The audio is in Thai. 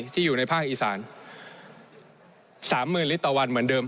ที่อยู่ในภาคอีสาน๓๐๐๐ลิตรต่อวันเหมือนเดิม